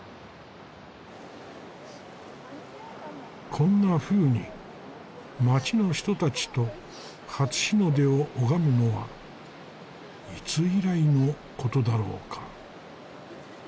こんなふうに町の人たちと初日の出を拝むのはいつ以来のことだろうか。